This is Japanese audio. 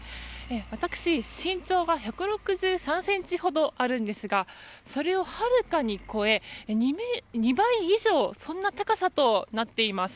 私、身長が１６３ｃｍほどあるんですがそれをはるかに超え、２倍以上そんな高さとなっています。